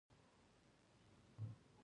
نو راځي دې پر دې لاره بې له شکه